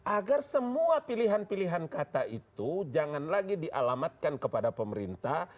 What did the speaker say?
agar semua pilihan pilihan kata itu jangan lagi dialamatkan kepada pemerintah